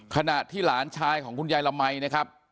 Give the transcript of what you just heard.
ขณะที่หลานชายของคุณยายละมัยนะครับ